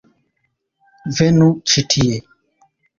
- Venu ĉi tie